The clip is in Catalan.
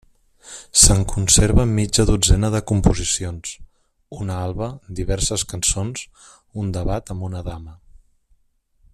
Se'n conserven mitja dotzena de composicions; una alba, diverses cançons, un debat amb una dama.